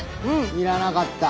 いらなかった。